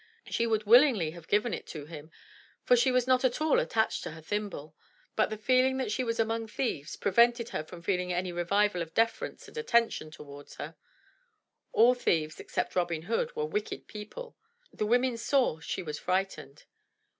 She would willingly have given it to him, for she was not at all attached to her thimble; but the feeling that she was among thieves pre vented her from feeling any revival of deference and attention towards her; all thieves except Robin Hood were wicked people. The women saw she was frightened.